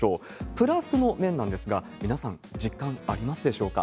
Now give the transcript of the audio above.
プラスの面なんですが、皆さん、実感ありますでしょうか？